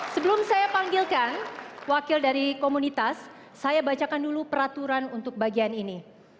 sebelum saya panggilkan wakil dari komunitas saya bacakan dulu peraturan untuk bagian ini